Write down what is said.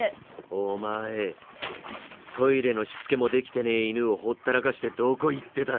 お前トイレのしつけもできてね犬をほったらかしてどこ行ってた。